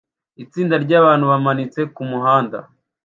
Itsinda ryabantu bamanitse kumuhanda